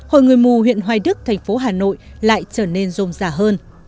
hội người mù huyện hoài đức thành phố hà nội lại trở nên rôm giả hơn